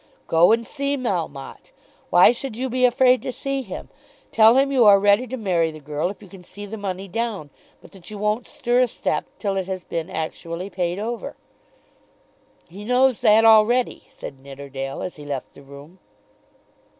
"Go and see Melmotte. Why should you be afraid to see him? Tell him that you are ready to marry the girl if you can see the money down, but that you won't stir a step till it has been actually paid over." "He knows that already," said Nidderdale as he left the room.